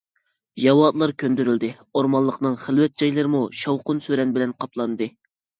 ياۋا ئاتلار كۆندۈرۈلدى، ئورمانلىقنىڭ خىلۋەت جايلىرىمۇ شاۋقۇن-سۈرەن بىلەن قاپلاندى.